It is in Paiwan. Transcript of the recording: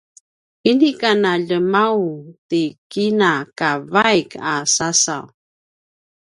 inika naljemaung ti kina ka vaik a sasaw